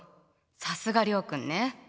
さすが諒君ね。